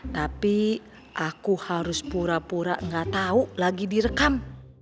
tapi aku harus pura pura ga tau lagi direkam